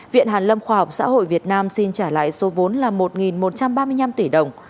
viện hàn lâm khoa học xã hội việt nam xin trả lại số vốn là một một trăm ba mươi năm tỷ đồng